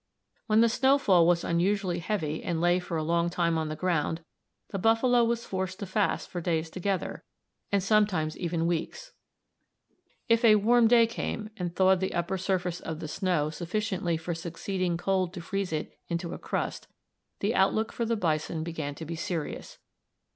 When the snow fall was unusually heavy, and lay for a long time on the ground, the buffalo was forced to fast for days together, and sometimes even weeks. If a warm day came, and thawed the upper surface of the snow sufficiently for succeeding cold to freeze it into a crust, the outlook for the bison began to be serious.